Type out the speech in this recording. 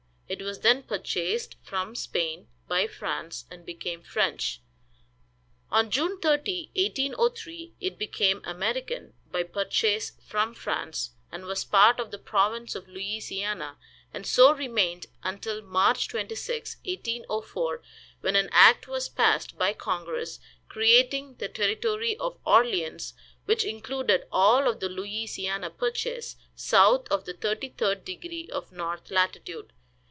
It was then purchased from Spain by France, and became French. On June 30, 1803, it became American, by purchase from France, and was part of the Province of Louisiana, and so remained until March 26, 1804, when an act was passed by congress, creating the Territory of Orleans, which included all of the Louisiana purchase south of the thirty third degree of north latitude.